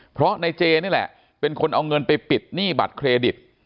เพราะในเจนี่แหละเป็นคนเอาเงินไปปิดหนี้บัตรเครดิต